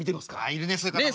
いるねそういう方もね。